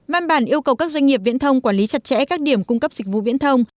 văn bản yêu cầu các doanh nghiệp viễn thông quản lý chặt chẽ các điểm cung cấp dịch vụ viễn thông